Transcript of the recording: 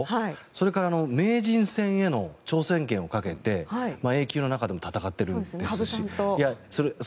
それから名人戦への挑戦権をかけてＡ級の中でも戦っていますし羽生さんと。